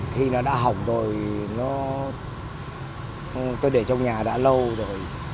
khi nó đã hỏng rồi nó tôi để trong nhà đã lâu rồi